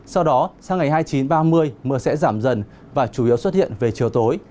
sau đó sang ngày hai mươi chín và ba mươi mưa sẽ giảm dần và chủ yếu xuất hiện về chiều tối